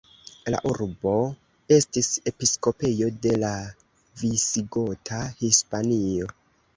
La urbo estis episkopejo de la Visigota Hispanio.